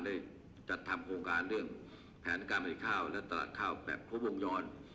ได้จัดทำโครงการเรื่องแผนการผลิตข้าวและตลาดข้าวแบบครบวงจร